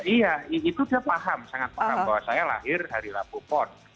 iya itu dia paham sangat paham bahwa saya lahir hari rabu pon